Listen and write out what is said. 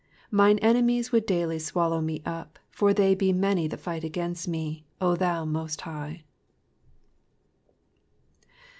2 Mine enemies would daily swallow mf up : for fAej^ be many that fight against me, O thou most High.